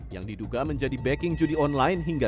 yang diduga menjadi backing judi online hingga ke tiga